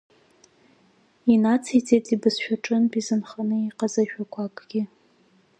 Инациҵеит ибызшәа аҿынтә изынханы иҟаз ажәақәакгьы…